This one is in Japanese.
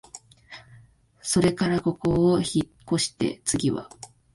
それからここをひっこして、つぎは、